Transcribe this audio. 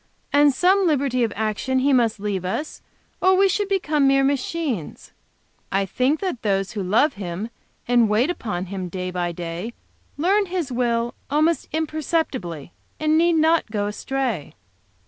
"And some liberty of action He must leave us, or we should become mere machines. I think that those who love Him, and wait upon Him day by day, learn His will almost imperceptibly, and need not go astray."